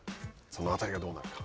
その辺りがどうなるか。